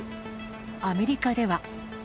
アメリカでは。